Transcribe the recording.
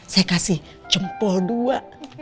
saya kasih jempol dua